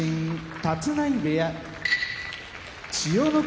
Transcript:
立浪部屋千代の国